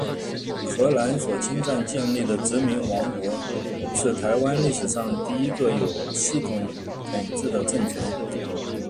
荷兰所侵占建立的殖民王国，是台湾历史上第一个有系统统治的政权。